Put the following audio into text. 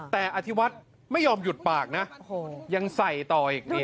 แต่อธิวัฒน์ไม่ยอมหยุดปากนะยังใส่ต่ออีก